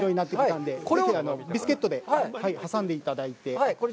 これをビスケットで挟んでいただいて。